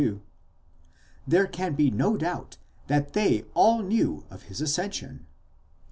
22): there can be no doubt that they all knew of his ascension.